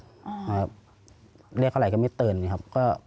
เรียกเท่าไหร่ก็ไม่ตื่นครับ